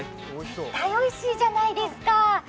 絶対おいしいじゃないですか。